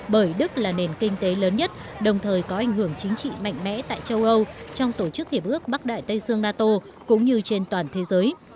bởi đức là nền kinh tế lớn nhất đồng thời có ảnh hưởng chính trị mạnh mẽ tại châu âu trong tổ chức hiệp ước bắc đại tây dương nato cũng như trên toàn thế giới